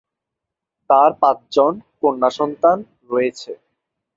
তার পাঁচজন কন্যা সন্তান রয়েছে।